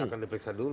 akan diperiksa dulu